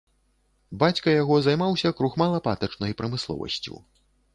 Бацька яго займаўся крухмала-патачнай прамысловасцю.